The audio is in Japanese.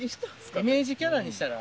イメージキャラにしたら？